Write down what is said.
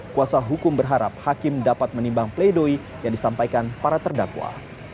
kuasa hukum berharap hakim dapat menimbang pleidoi yang disampaikan para terdakwa